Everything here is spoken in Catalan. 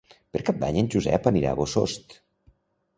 Per Cap d'Any en Josep anirà a Bossòst.